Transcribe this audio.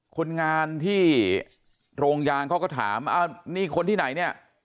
คนงานที่โรงยางเขาก็ถามอ้าวนี่คนที่ไหนเนี่ย